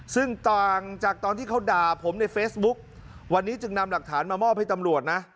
ซึ่งต่างจากตอนที่เขาด่าผมในเฟซบุ๊กวันนี้จึงนำหลักฐานมามอบให้ตำรวจนะ